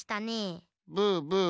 ブーブー。